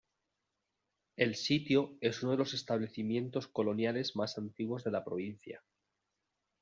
El sitio es uno de los establecimientos coloniales más antiguos de la provincia.